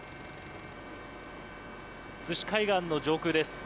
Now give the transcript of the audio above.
逗子海岸の上空です。